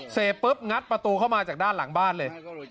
เสร็จปุ๊บงัดประตูเข้ามาจากด้านหลังบ้านเลย